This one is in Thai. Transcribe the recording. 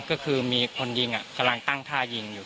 ก็คือมีคนยิงกำลังตั้งท่ายิงอยู่